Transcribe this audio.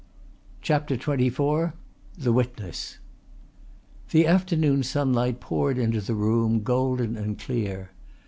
CHAPTER XXIV THE WITNESS The afternoon sunlight poured into the room golden and clear.